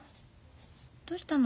どうしたの？